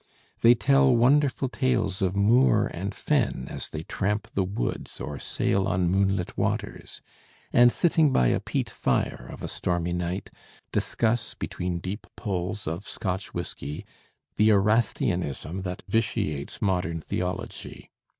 They tell wonderful tales of moor and fen as they tramp the woods or sail on moonlit waters, and sitting by a peat fire of a stormy night, discuss, between deep pulls of Scotch whisky, the Erastianism that vitiates modern theology.